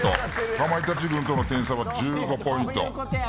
かまいたち軍との点差は１５ポイント。